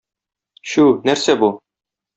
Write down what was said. Чү, нәрсә бу?